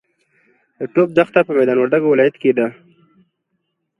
د ټوپ دښته په میدا وردګ ولایت کې ده.